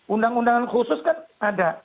undang undang khusus kan ada